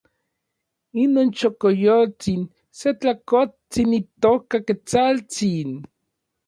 inon xokoyotsin se takotsin itoka Ketsaltsin.